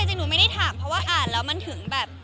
จริงหนูไม่ได้ถามเพราะว่าอ่านแล้วมันถึงแบบ